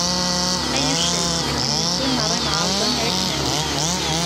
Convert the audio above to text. Ay uccen, akken newwi meṛṛa imεerḍen ara ak-nawi.